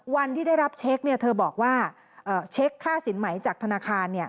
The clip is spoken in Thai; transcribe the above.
วันที่ได้รับเช็คเธอบอกว่าเช็คค่าสินไหมจากธนาคาร